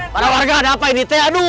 para warga ada apa ini